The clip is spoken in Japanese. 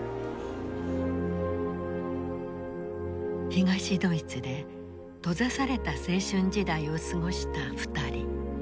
東ドイツで閉ざされた青春時代を過ごした２人。